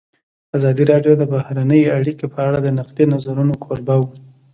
ازادي راډیو د بهرنۍ اړیکې په اړه د نقدي نظرونو کوربه وه.